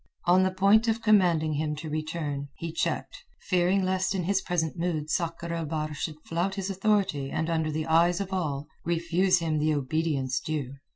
On the point of commanding him to return, he checked, fearing lest in his present mood Sakr el Bahr should flout his authority and under the eyes of all refuse him the obedience due.